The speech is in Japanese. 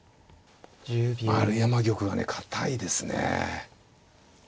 丸山玉がね堅いですね。